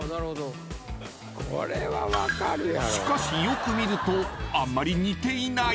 ［しかしよく見るとあんまり似ていない］